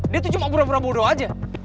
dia tuh cuma pura pura bodoh aja